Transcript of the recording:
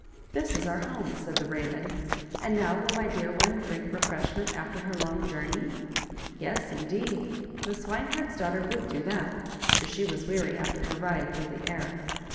" This is our home," said the Raven ;" and now will my dear one drink refreshment after her long journey ?" Yes, indeed ; the swineherd's daughter would do that, for she was weary after her ride through the air.